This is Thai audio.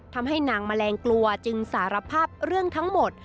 ทำให้นางแมลงกลัวจึงสารภาพเรื่องทั้งหมด